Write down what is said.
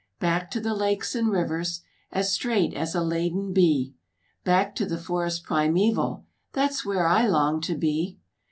Back to the lakes and rivers, As straight as a laden bee, Back to the forest primeval, That's where I long to be!